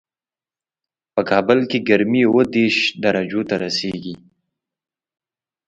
په کابل کې ګرمي اووه دېش درجو ته رسېږي